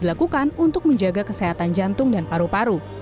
dilakukan untuk menjaga kesehatan jantung dan paru paru